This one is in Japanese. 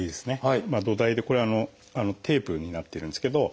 土台でこれテープになっているんですけど。